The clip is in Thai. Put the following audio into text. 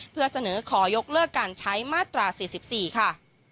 เพื่อเสนอขอยกเลิกการใช้มาตรา๔๔ค่ะ